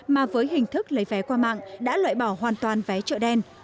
mà với hình thức lấy vé qua mạng đã loại bỏ hoàn toàn vé chợ đen